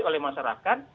tapi oleh masyarakat